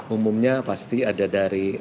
umumnya pasti ada dari